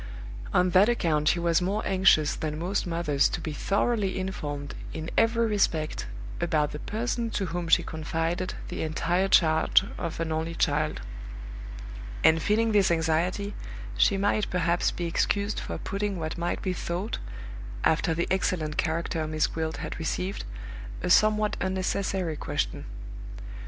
On that account she was more anxious than most mothers to be thoroughly informed in every respect about the person to whom she confided the entire charge of an only child; and feeling this anxiety, she might perhaps be excused for putting what might be thought, after the excellent character Miss Gwilt had received, a somewhat unnecessary question.